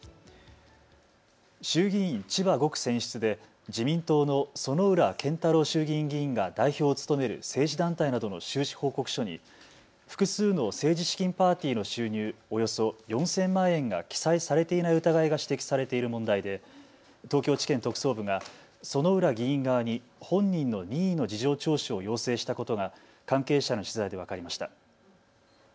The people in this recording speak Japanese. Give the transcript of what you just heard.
衆議院千葉５区選出で自民党の薗浦健太郎衆議院議員が代表を務める政治団体などの収支報告書に複数の政治資金の収入およそ４０００万円が記載されていない疑いが指摘されている問題で東京地検特捜部が薗浦議員側に本人の任意の事情聴取を要請したことが関係者への取材で分かりました。